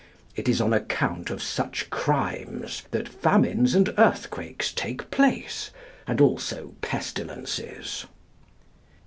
It is on account of such crimes that famines and earthquakes take place, and also pestilences."